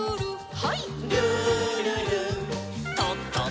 はい。